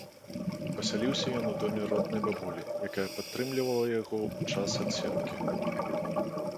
Пасяліўся ён у доме роднай бабулі, якая падтрымлівала яго ў час адседкі.